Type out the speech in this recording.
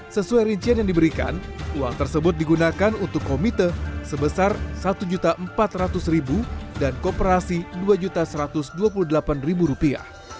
sesuai rincian yang diberikan uang tersebut digunakan untuk komite sebesar satu empat ratus dan kooperasi dua satu ratus dua puluh delapan rupiah